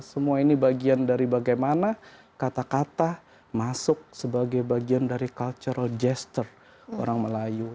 semua ini bagian dari bagaimana kata kata masuk sebagai bagian dari cultural gester orang melayu